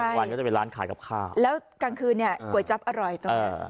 วันก็จะเป็นร้านขายกับข้าวแล้วกลางคืนเนี่ยก๋วยจั๊บอร่อยตรงนี้